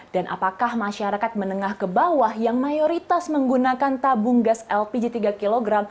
dan apakah masyarakat menengah ke bawah yang mayoritas menggunakan tabung gas lpg tiga kg